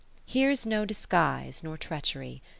Ill Here's no disguise nor treachery.